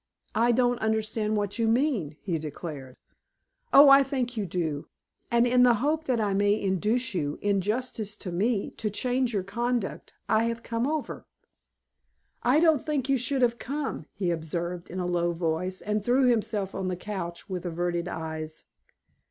"I don't understand what you mean," he declared. "Oh, I think you do; and in the hope that I may induce you, in justice to me, to change your conduct, I have come over." "I don't think you should have come," he observed in a low voice, and threw himself on the couch with averted eyes.